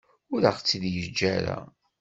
Ur aɣ-tt-id-yeǧǧa ara.